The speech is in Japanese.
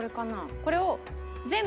これを全部？